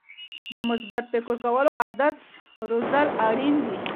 د مثبت فکر کولو عادت روزل اړین دي.